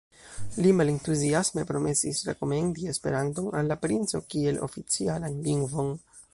Li malentuziasme promesis rekomendi Esperanton al la princo kiel oficialan lingvon.